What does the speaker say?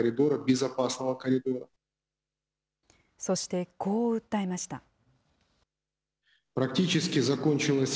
そして、こう訴えました。